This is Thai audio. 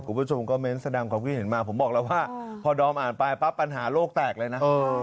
คุณผู้ชมก็เน้นแสดงความคิดเห็นมาผมบอกแล้วว่าพอดอมอ่านไปปั๊บปัญหาโลกแตกเลยนะ